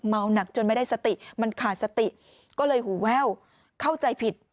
หนักจนไม่ได้สติมันขาดสติก็เลยหูแว่วเข้าใจผิด